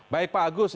baik pak agus